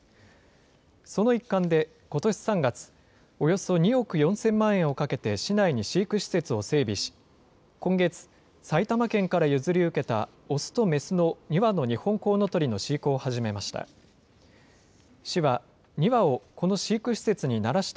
その一環で、ことし３月、およそ２億４０００万円をかけて市内に飼育施設を整備し、今月、埼玉県から譲り受けた雄と雌の２羽のニホンコウノトリの飼育を始めました。